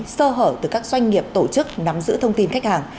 sơ hở từ các doanh nghiệp tổ chức nắm giữ thông tin khách hàng